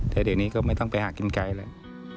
แต่เดี๋ยวนี้ก็ไม่ต้องไปหากินไกลแล้ว